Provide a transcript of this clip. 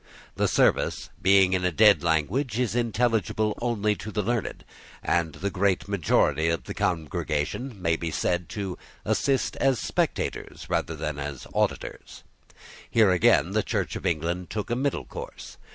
The service, being in a dead language, is intelligible only to the learned; and the great majority of the congregation may be said to assist as spectators rather than as auditors. Here, again, the Church of England took a middle course.